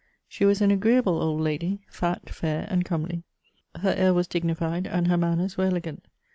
She was an agreeahle old lady, fat, Mr and comely ; her air was dignified and her manners were elegant.